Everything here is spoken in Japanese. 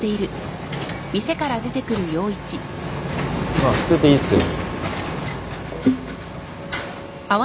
あっ吸ってていいっすよ。